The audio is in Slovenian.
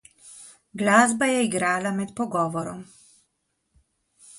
Glasba je igrala med pogovorom.